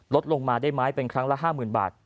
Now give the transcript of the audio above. ลดลงมาได้ไหมเป็นครั้งละ๕๐๐๐บาท